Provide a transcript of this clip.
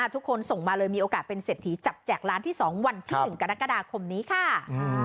ทุกคนส่งมาเลยมีโอกาสเป็นเศรษฐีจับแจกล้านที่๒วันที่๑กรกฎาคมนี้ค่ะ